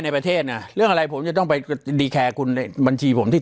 ในประเทศอ่ะเรื่องอะไรผมจะต้องไปคุณบัญชีผมที่